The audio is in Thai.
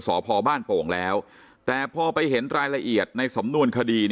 สพบ้านโป่งแล้วแต่พอไปเห็นรายละเอียดในสำนวนคดี